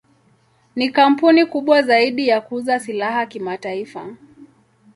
Ni kampuni kubwa zaidi ya kuuza silaha kimataifa.